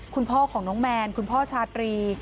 คุณพ่อของน้องแมนคุณพ่อชาตรี